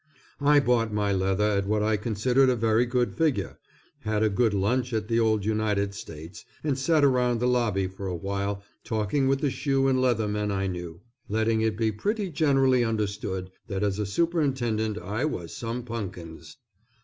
I bought my leather at what I considered a very good figure, had a good lunch at the old United States, and sat around the lobby for a while talking with the shoe and leather men I knew, letting it be pretty generally understood that as a superintendent I was some punkins.